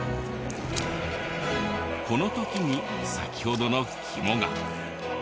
この時に先ほどの肝が。